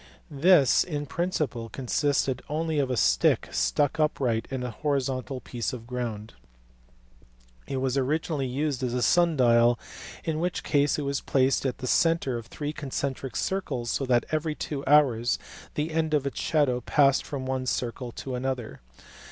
This, in principle, consisted only of a stick stuck upright in a horizontal piece of ground. It was originally used as a sun dial, in which case it was placed at the centre of three concentric circles so that every two hours the end of its shadow passed from one circle to another.